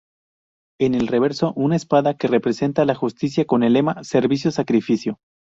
En el reverso una espada que representa la Justicia con el lema "Servicio-Sacrificio".